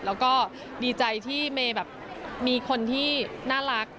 แล้วก็ดีใจที่เมย์แบบมีคนที่น่ารัก